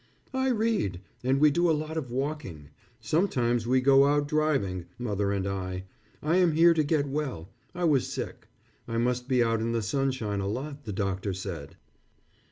"I read, and we do a lot of walking. Sometimes we go out driving, mother and I. I am here to get well. I was sick. I must be out in the sunshine a lot, the doctor said."